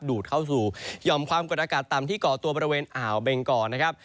ดูดเข้าสู่หย่อมความกดอากาศต่ำที่ก่อตัวบริเวณอ่าวเบงกอนะครับ